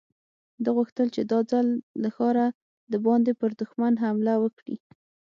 ده غوښتل چې دا ځل له ښاره د باندې پر دښمن حمله وکړي.